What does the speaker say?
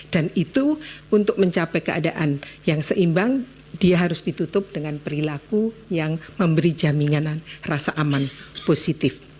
dan itu untuk mencapai keadaan yang seimbang dia harus ditutup dengan perilaku yang memberi jaminan rasa aman positif